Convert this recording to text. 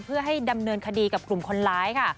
เพื่อให้ดำเนินคดีกับกลุ่มคนร้ายค่ะ